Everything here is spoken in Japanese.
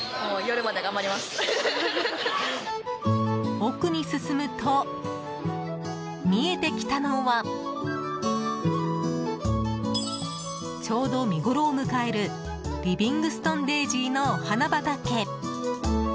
奥に進むと、見えてきたのはちょうど見ごろを迎えるリビングストンデージーのお花畑。